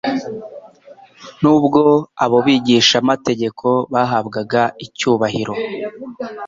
Nubwo abo bigishamategeko bahabwaga icyubahiro